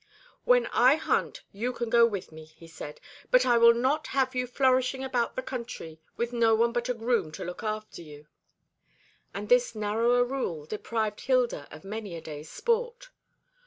"When I hunt you can go with me," he said, "but I will not have you flourishing about the country with no one but a groom to look after you;" and this narrower rule deprived Hilda of many a day's sport.